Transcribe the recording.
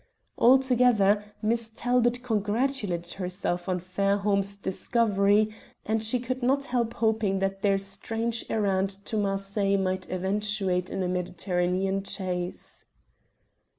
Altogether Miss Talbot congratulated herself on Fairholme's discovery, and she could not help hoping that their strange errand to Marseilles might eventuate in a Mediterranean chase.